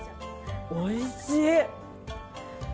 おいしい！